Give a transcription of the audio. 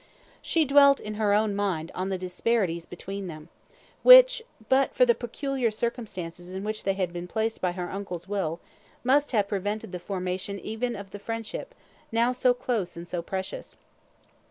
She dwelt in her own mind on the disparities between them, which, but for the peculiar circumstances in which they had been placed by her uncle's will, must have prevented the formation even of the friendship, now so close and so precious.